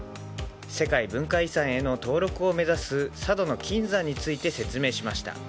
世界文化遺産への登録を目指す佐渡の金山について説明しました。